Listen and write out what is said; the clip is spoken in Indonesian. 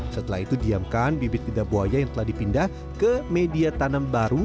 setelah itu diamkan bibit lidah buaya yang telah dipindah ke media tanam baru